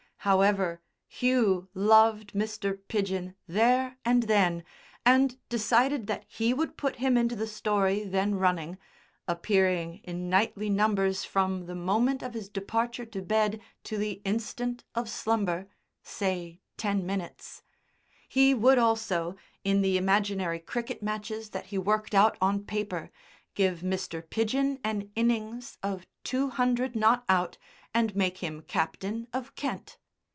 However, Hugh loved Mr. Pidgen there and then, and decided that he would put him into the story then running (appearing in nightly numbers from the moment of his departure to bed to the instant of slumber say ten minutes); he would also, in the imaginary cricket matches that he worked out on paper, give Mr. Pidgen an innings of two hundred not out and make him captain of Kent.